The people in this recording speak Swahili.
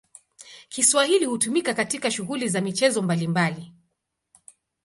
Kiswahili hutumika katika shughuli za michezo mbalimbali.